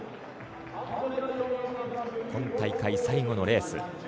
今大会最後のレース。